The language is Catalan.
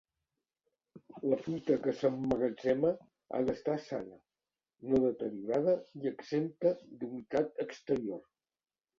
La fruita que s'emmagatzema ha d'estar sana, no deteriorada i exempta d'humitat exterior.